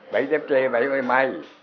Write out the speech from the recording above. bẫy táp chê bẫy sườn mây